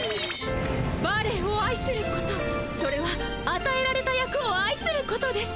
バレエをあいすることそれはあたえられた役をあいすることです。